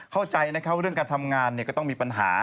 เข้าใจนะครับว่าเรื่องการทำงานก็ต้องมีปัญหา